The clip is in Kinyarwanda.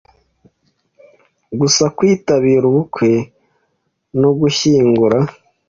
gusa kwitabira ubukwe no gushyingura